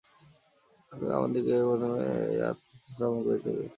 অতএব আমাদিগকে প্রথমে এই আত্মতত্ত্ব শ্রবণ করিতে হইবে।